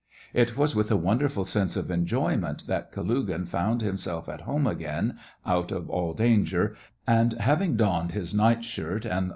It was with a wonderful sense of enjoyment that Kalugin found himself at home again, out of all danger, and, having donned his night shirt and 98 SEVASTOPOL IN MAY.